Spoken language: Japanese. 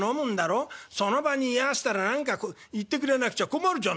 その場に居合わせたら何か言ってくれなくちゃ困るじゃないか」。